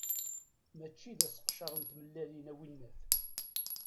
Mačči d aseqcer n tmellalin, a winnat.